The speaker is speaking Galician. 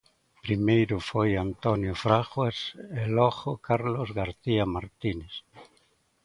Primeiro foi Antonio Fraguas e logo Carlos García Martínez.